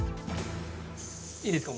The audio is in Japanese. いいですか？